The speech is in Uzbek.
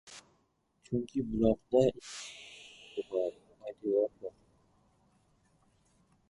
Chunki buloqda ichki kuch-qudrat bor, poydevor bor.